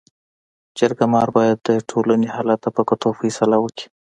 جرګه مار باید د ټولني حالت ته په کتو فيصله وکړي.